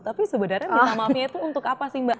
tapi sebenarnya minta maafnya itu untuk apa sih mbak